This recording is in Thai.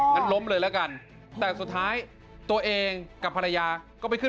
งั้นล้มเลยแล้วกันแต่สุดท้ายตัวเองกับภรรยาก็ไปขึ้น